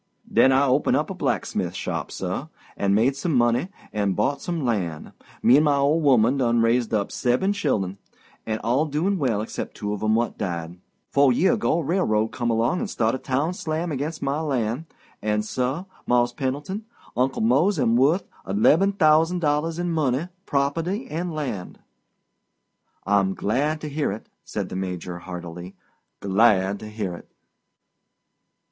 "Den I open a blacksmith shop, suh, and made some money and bought some lan'. Me and my old 'oman done raised up seb'm chillun, and all doin' well 'cept two of 'em what died. Fo' year ago a railroad come along and staht a town slam ag'inst my lan', and, suh, Mars' Pendleton, Uncle Mose am worth leb'm thousand dollars in money, property, and lan'." "I'm glad to hear it," said the Major heartily. "Glad to hear it."